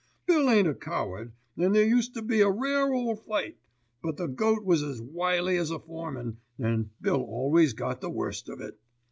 Bill ain't a coward, and there used to be a rare ole fight; but the goat was as wily as a foreman, an' Bill always got the worst of it.